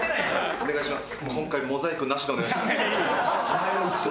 お願いします！